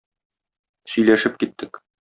Сөйләшеп киттек.